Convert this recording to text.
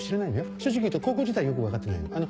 正直言うと高校自体よく分かってないの。